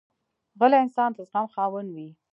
غلی انسان، د زغم خاوند وي.